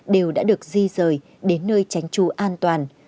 đều đã được di rời đến nơi tránh trú an toàn